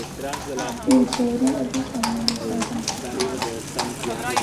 The utility of this armour was sometimes disputed.